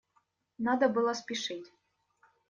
Надо было спешить.